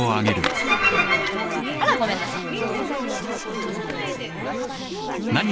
あらごめんなさい。